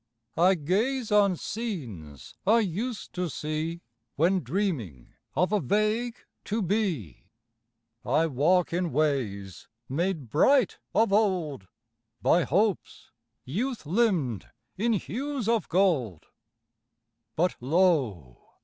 I gaze on scenes I used to see When dreaming of a vague To be. I walk in ways made bright of old By hopes youth limned in hues of gold. But lo!